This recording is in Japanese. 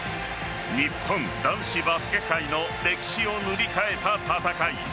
日本男子バスケ界の歴史を塗り替えた戦い。